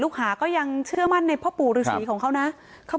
หาก็ยังเชื่อมั่นในพ่อปู่ฤษีของเขานะ